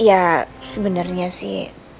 ya sebenernya sih